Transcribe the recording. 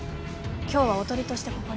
今日はおとりとしてここに来てる。